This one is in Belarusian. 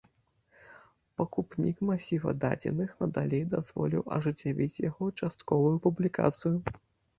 Пакупнік масіва дадзеных надалей дазволіў ажыццявіць яго частковую публікацыю.